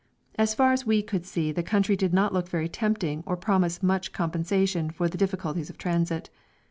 As far as we could see the country did not look very tempting or promise much compensation for the difficulties of transit.